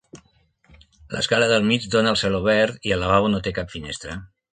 L'escala del mig dona al celobert i el lavabo no té cap finestra.